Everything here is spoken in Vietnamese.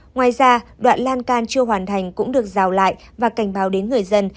ngoài ra đoạn lan can chưa hoàn thành cũng được rào lại và cảnh báo đến người dân